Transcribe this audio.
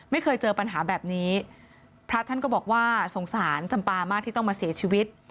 ไม่เคยเจอปัญหาแบบนี้พระท่านก็บอกว่าสงสารจำปามากที่ต้องมาเสียชีวิต